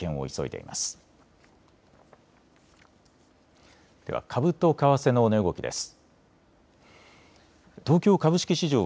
では株と為替の値動きです。